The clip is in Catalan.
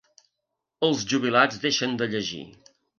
Els jubilats deixen de llegir.